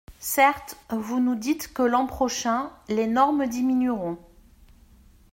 Certes, vous nous dites que l’an prochain, les normes diminueront.